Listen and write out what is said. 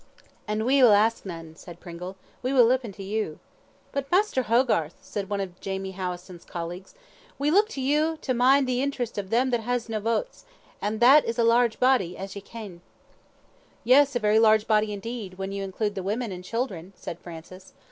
"And we will ask nane," said Pringle, "we will lippen to you." "But Maister Hogarth," said one of Jamie Howison's colleagues, "we look to you to mind the interests of them that has nae votes, and that is a large body, as ye ken." "Yes, a very large body indeed, when you include the women and children," said Francis.